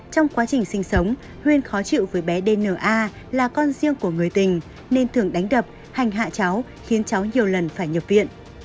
trong quá trình sinh sống huyên khó chịu với bé dna là con riêng của người tình nên thường đánh đập hành hạ cháu khiến cháu nhiều lần phải nhập viện